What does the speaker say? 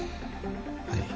はい。